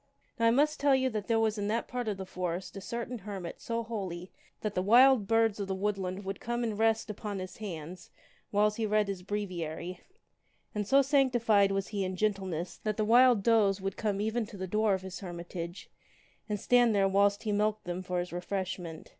Now I must tell you that there was in that part of the forest a certain hermit so holy that the wild birds of the woodland would come and rest upon his hand whiles he read his breviary ; and so sanctified was he in gentleness that the wild does would come even to the door of his hermit age, and there stand whilst he milked them for his refreshment.